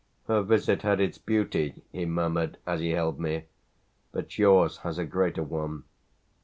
"Her visit had its beauty," he murmured as he held me, "but yours has a greater one."